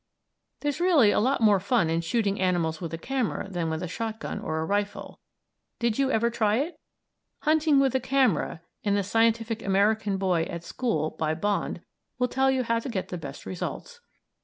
There's really a lot more fun in shooting animals with a camera than with a shotgun or a rifle. Did you ever try it? "Hunting with a Camera" in "The Scientific American Boy at School," by Bond, will tell you how to get the best results.